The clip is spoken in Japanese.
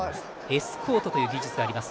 エスコートという技術です。